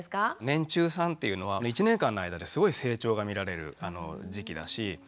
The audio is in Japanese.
年中さんっていうのは１年間の間ですごい成長が見られる時期だし